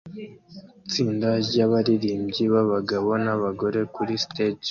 Itsinda ryabaririmbyi babagabo nabagore kuri stage